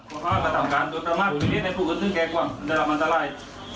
ขอบภาพกระต่ามการถูกให้ทุกคนศึกแดกว่าการอาบงานสาวไหล